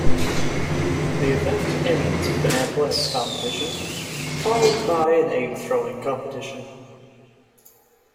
The event ends with an athletics competition, followed by an egg throwing competition.